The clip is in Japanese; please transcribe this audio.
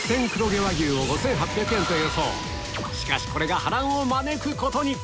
しかしこれが波乱を招くことに！